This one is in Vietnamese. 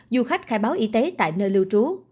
du khách khai báo y tế tại nơi lưu trú